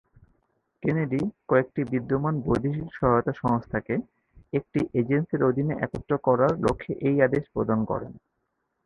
Kennedy কয়েকটি বিদ্যমান বৈদেশিক সহায়তা সংস্থাকে একটি এজেন্সির অধীনে একত্রিত করার লক্ষ্যে এই আদেশ প্রদান করেন।